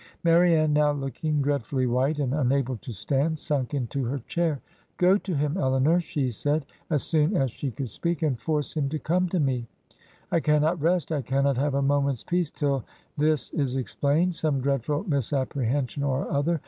Marianne, now looking dreadfully white, and unable to stand, sunk into her chair. ...' Go to him, Elinor,' she said, as soon as she could speak, ' and force him to come to me. ... I cannot rest, I cannot have a moment's peace, till this is explained — some dreadful misapprehension or other.